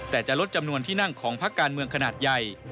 แต่จะลดจำนวนที่นั่งของพักการเมืองขนาดใหญ่